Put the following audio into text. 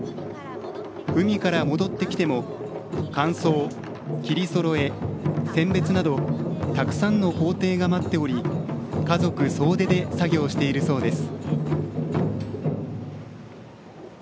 海から戻ってきても乾燥、切りそろえ、選別などたくさんの工程が待っており家族総出で作業しているそうです。